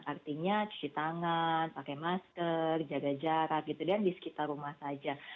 artinya cuci tangan pakai masker jaga jarak gitu dan di sekitar rumah saja